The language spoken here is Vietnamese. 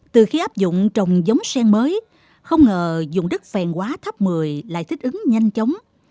từ khi áp dụng trồng giống sen mới không ngờ dùng đất phèn quá thấp một mươi lại thích ứng nhanh chóng